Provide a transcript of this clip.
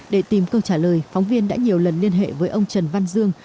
để tìm câu trả lời phóng viên đã nhiều lần liên hệ với ông trần văn dương